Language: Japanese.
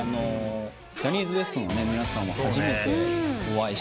ジャニーズＷＥＳＴの皆さんも初めてお会いして。